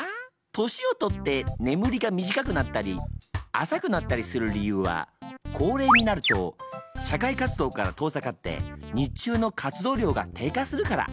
年をとって眠りが短くなったり浅くなったりする理由は高齢になると社会活動から遠ざかって日中の活動量が低下するから。